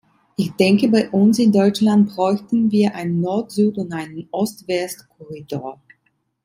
Ich denke, bei uns in Deutschland bräuchten wir einen Nord-Süd- und einen Ost-West-Korridor.